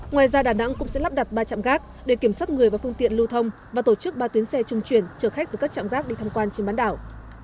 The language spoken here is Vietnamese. ngoài ra đà nẵng cũng sẽ lắp đặt ba trạm gác để kiểm soát người và phương tiện lưu thông và tổ chức ba tuyến xe trung chuyển chở khách từ các trạm gác đi tham quan trên bán đảo